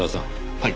はい。